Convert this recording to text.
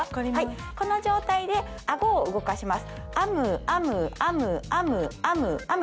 この状態でアゴを動かします。